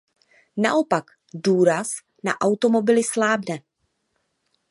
Naopak důraz na automobily slábne.